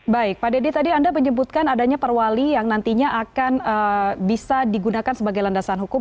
baik pak deddy tadi anda menyebutkan adanya perwali yang nantinya akan bisa digunakan sebagai landasan hukum